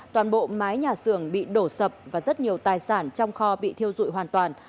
toàn bộ mái nhà xưởng bị đổ sập và rất nhiều tài sản trong kho bị thiêu dụi hoàn toàn